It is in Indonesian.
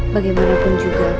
bagaimanapun juga aku harus memilih